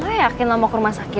lu gak yakin lu mau ke rumah sakit